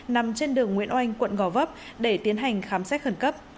nằm trên đường nguyễn oanh quận gò vấp để tiến hành khám xét khẩn cấp